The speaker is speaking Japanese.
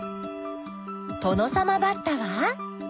トノサマバッタは？